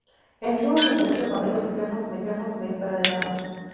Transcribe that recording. El flujo se interrumpe cuando el extremo sumergido queda fuera del agua.